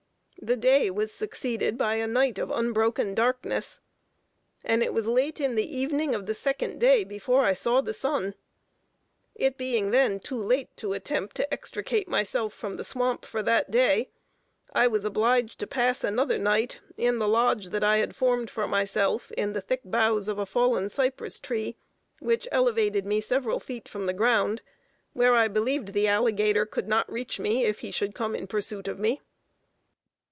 The day was succeeded by a night of unbroken darkness; and it was late in the evening of the second day before I saw the sun. It being then too late to attempt to extricate myself from the swamp for that day, I was obliged to pass another night in the lodge that I had formed for myself in the thick boughs of a fallen cypress tree, which elevated me several feet from the ground, where I believed the alligator could not reach me if he should come in pursuit of me.